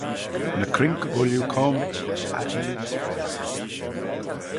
Ny croink ooilley coamrit lesh aittyn as freoagh.